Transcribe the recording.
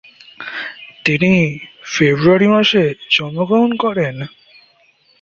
তিনি ফেব্রুয়ারি মাসে জন্মগ্রহণ করেন।